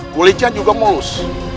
kulitnya juga mulus